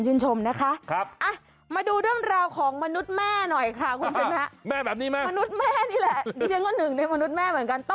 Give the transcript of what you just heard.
ชื่นชมนะคะ